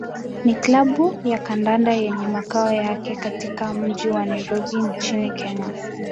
ni klabu ya kandanda yenye makao yake katika mji wa Nairobi nchini Kenya.